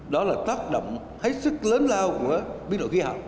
đó là tác động hãy sức lớn lao của biến đổi khí hạng